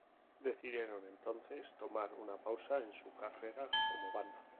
Decidieron entonces tomar un pausa en su carrera como banda.